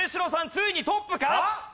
ついにトップか？